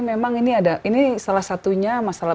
memang ini ada ini salah satunya masalah